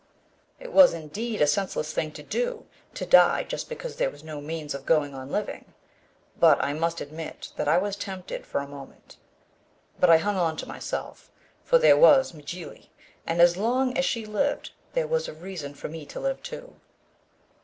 It was indeed a senseless thing to do, to die just because there was no means of going on living. But I must admit that I was tempted for a moment. But I hung onto myself, for there was Mjly, and as long as she lived, there was a reason for me to live too.